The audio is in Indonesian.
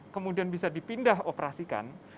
kemudian bisa dipindah operasikan